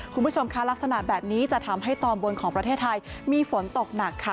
คุณผู้ชมค่ะลักษณะแบบนี้จะทำให้ตอนบนของประเทศไทยมีฝนตกหนักค่ะ